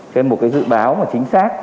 trên một dự báo chính xác